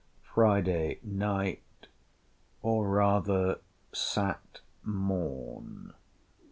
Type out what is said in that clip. FRIDAY NIGHT, OR RATHER SAT. MORN.